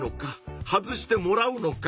外してもらうのか？